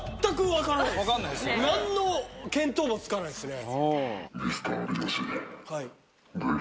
何の見当もつかないですね。